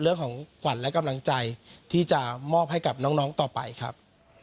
เรื่องของขวัญและกำลังใจที่จะมอบให้กับน้องต่อไปครับ